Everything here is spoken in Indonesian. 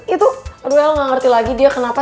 itu aduh el ga ngerti lagi dia kenapa